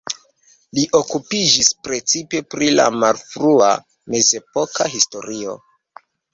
Li okupiĝis precipe pri la malfrua mezepoka historio.